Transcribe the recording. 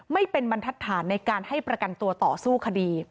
ไม่เป็นบรรทัศน์ในการให้ประกันตัวต่อสู้คดี